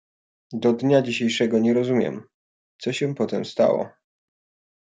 "Do dnia dzisiejszego nie rozumiem, co się potem stało."